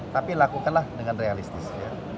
tapi lakukanlah dengan realistis